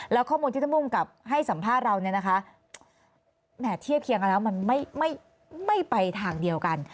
แล้วข้อมูลที่ท่านภูมิกับให้สัมภาษณ์เราเนี่ยนะคะแหม่เทียบเคียงกันแล้วมันไม่ไปทางเดียวกัน